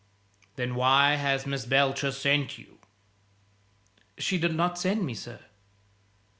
"Then why has Miss Belcher sent you?" "She did not send me, sir."